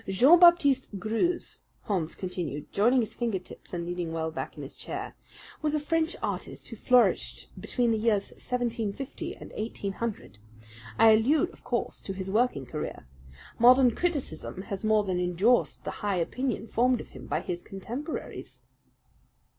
"Jean Baptiste Greuze," Holmes continued, joining his finger tips and leaning well back in his chair, "was a French artist who flourished between the years 1750 and 1800. I allude, of course to his working career. Modern criticism has more than indorsed the high opinion formed of him by his contemporaries."